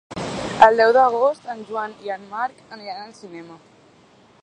El deu d'agost en Joan i en Marc aniran al cinema.